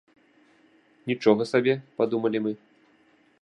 Нічога сабе, падумалі мы.